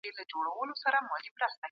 مثبت چلند د کورنۍ اړیکي ټینګوي.